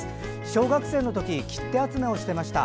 小学生のとき切手集めをしてました。